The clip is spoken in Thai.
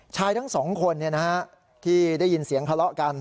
ชายทั้งสองคนที่ได้ยินเสียงทะเลาะกัน